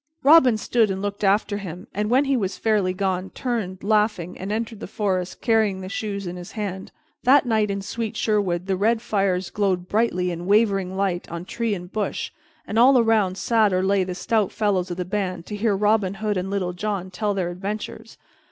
Robin stood and looked after him, and, when he was fairly gone, turned, laughing, and entered the forest carrying the shoes in his hand. That night in sweet Sherwood the red fires glowed brightly in wavering light on tree and bush, and all around sat or lay the stout fellows of the band to hear Robin Hood and Little John tell their adventures.